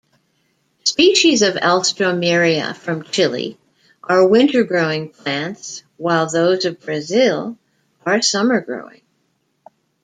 Species of "Alstroemeria" from Chile are winter-growing plants while those of Brazil are summer-growing.